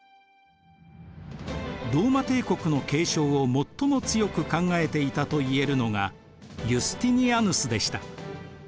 ローマ帝国の継承を最も強く考えていたといえるのがユスティニアヌスでした。